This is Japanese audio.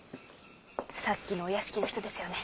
さっきのお屋敷の人ですよね。